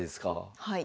はい。